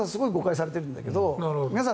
皆さん